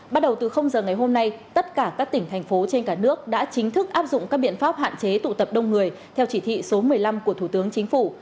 bắt đầu từ giờ ngày hôm nay tất cả các tỉnh thành phố trên cả nước đã chính thức áp dụng các biện pháp hạn chế tụ tập đông người theo chỉ thị số một mươi năm của thủ tướng chính phủ